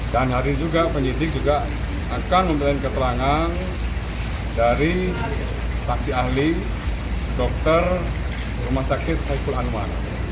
dan hari ini juga penyidik akan memperlukan keterangan dari taksi ahli dokter rumah sakit haikul anwar